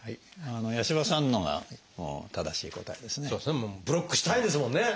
もうブロックしたいんですもんね！